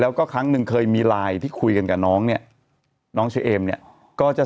แล้วก็ครั้งหนึ่งเคยมีไลน์ที่คุยกันกับน้องเนี่ยน้องเชเอมเนี่ยก็จะ